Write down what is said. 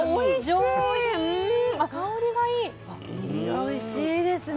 おいしいですね。